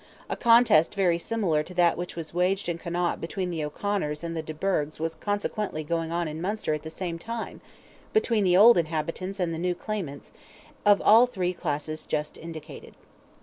A contest very similar to that which was waged in Connaught between the O'Conors and de Burghs was consequently going on in Munster at the same time, between the old inhabitants and the new claimants, of all the three classes just indicated.